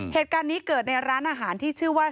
เหตุการณ์นี้เกิดในร้านอาหารที่ชื่อว่า